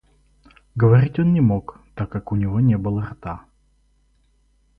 Говорить он не мог, так как у него не было рта.